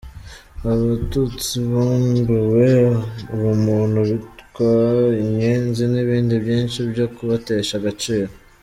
Abatutsi bambuwe ubumuntu, bitwa inyenzi n’ibindi byinshi byo kubatesha agaciro.